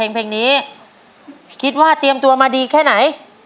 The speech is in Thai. พี่ยายมีตัวมาดีแค่ไหน